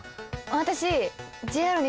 私。